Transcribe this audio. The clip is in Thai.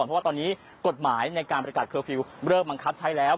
เพราะว่าตอนนี้กฎหมายในการประกาศเคอร์ฟิลล์เริ่มบังคับใช้แล้ว